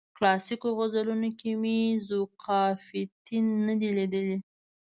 کلاسیکو غزلونو کې مې ذوقافیتین نه دی لیدلی.